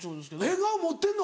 変顔持ってんの？